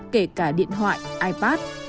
kể cả điện thoại ipad